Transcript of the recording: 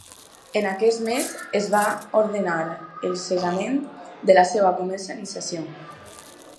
En aquest mes es va ordenar el cessament de la seva comercialització.